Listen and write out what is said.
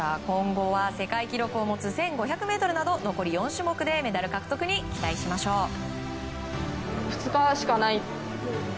今後は世界記録を持つ１５００ｍなど残り４種目でメダル獲得に期待しましょう。